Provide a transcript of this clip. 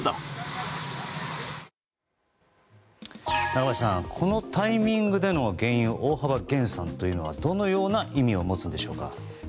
中林さんこのタイミングでの原油大幅減産というのはどのような意味を持つんでしょうか。